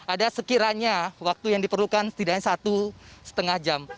ada sekiranya waktu yang diperlukan setidaknya satu setengah jam